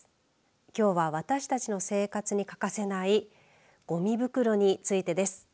きょうは私たちの生活に欠かせないゴミ袋についてです。